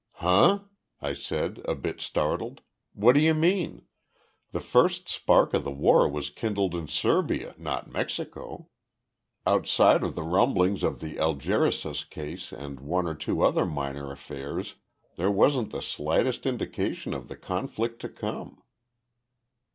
"Huh?" I said, a bit startled. "What do you mean? The first spark of the war was kindled in Serbia, not Mexico. Outside of the rumblings of the Algeciras case and one or two other minor affairs, there wasn't the slightest indication of the conflict to come."